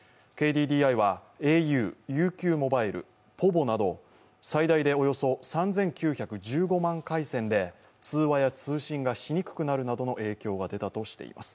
ＫＤＤＩはａｕ、ＵＱモバイル、ｐｏｖｏなど最大でおよそ３９１５万回線で通話や通信がしにくくなるなどの影響が出たとしています。